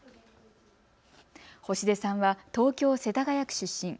星出さんは東京世田谷区出身。